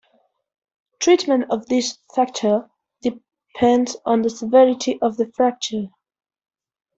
Treatment of this fracture depends on the severity of the fracture.